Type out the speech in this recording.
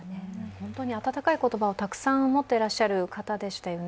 本当に温かい言葉をたくさん持ってらっしゃる方でしたよね。